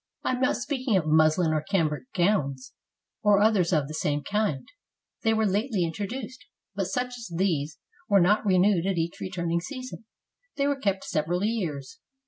I am not speaking of muslin or cambric gowns, or others of the same kind; they were lately introduced; but such as these were not renewed at each returning season, they were kept several years.